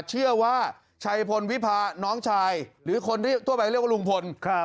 เชื่อว่าชัยพลวิพาน้องชายหรือคนที่ทั่วไปเรียกว่าลุงพล